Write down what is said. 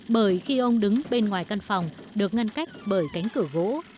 bởi khi ông đứng bên ngoài căn phòng được ngăn cách bởi cánh cửa gỗ